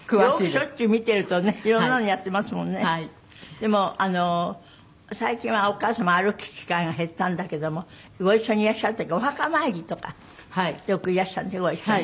でも最近はお母様歩く機会が減ったんだけどもご一緒にいらっしゃる時お墓参りとかよくいらっしゃるんですねご一緒に。